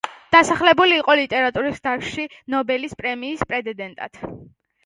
დასახელებული იყო ლიტერატურის დარგში ნობელის პრემიის პრეტენდენტად.